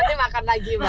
nanti makan lagi mbak